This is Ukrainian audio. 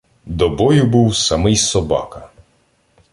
До бою був самий собака